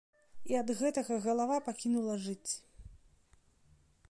І ад гэтага галава пакінула жыць.